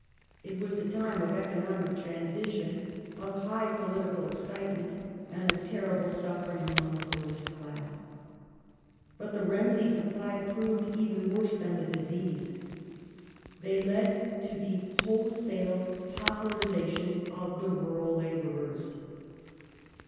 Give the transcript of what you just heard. It was a time of economic transition, of high political excitement and of teirible suffering among the poorest class. But the remedies applied proved even worse than the disease. They led to the wholesale pauperization of the rural labourers.